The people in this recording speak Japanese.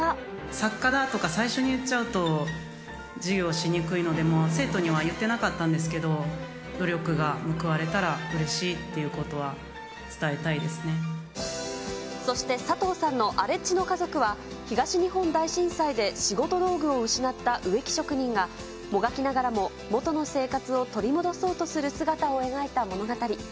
作家だとか、最初に言っちゃうと、授業しにくいので、もう生徒には言ってなかったんですけど、努力が報われたらうれしそして佐藤さんの荒地の家族は、東日本大震災で仕事道具を失った植木職人が、もがきながらも元の生活を取り戻そうとする姿を描いた物語。